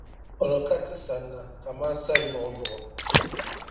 O ni ka ti sanna kaman sayuɣiyuɣi.